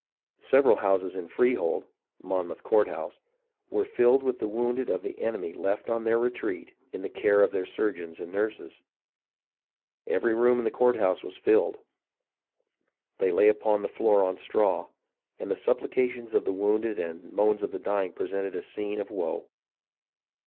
Several houses in Freehold (Mon mouth Courthouse) were filled with the wounded of the enemy left on their retreat in the care of their surgeons and nurses. Every room in the courthouse was filled. They lay on the floor on straw, and the supplications of the wounded and moans of the dying presented a scene of woe.